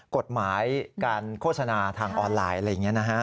กฎหมายการโฆษณาทางออนไลน์อย่างนี้นะครับ